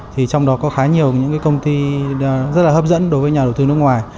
thì trong đó có khá nhiều những cái công ty rất là hấp dẫn đối với nhà đầu tư nước ngoài